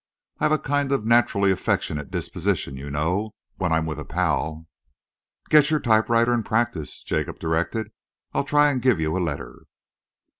I've a kind of naturally affectionate disposition, you know, when I'm with a pal." "Get your typewriter and practise," Jacob directed. "I'll try and give you a letter."